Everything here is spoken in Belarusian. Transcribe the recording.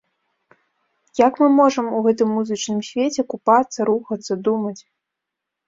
Як мы можам у гэтым музычным свеце купацца, рухацца, думаць.